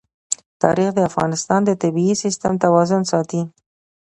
تاریخ د افغانستان د طبعي سیسټم توازن ساتي.